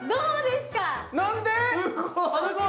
すごい。